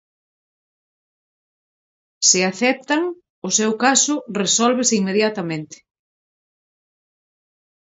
Se aceptan, o seu caso resólvese inmediatamente.